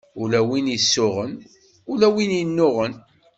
Ula wi isuɣen, ula wi innuɣen.